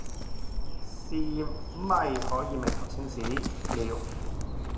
是咪可以名留青史了